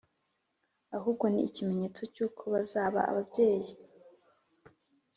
Ahubwo ni ikimenyetso cy’uko bazaba ababyeyi